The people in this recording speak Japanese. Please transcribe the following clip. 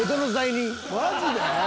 マジで？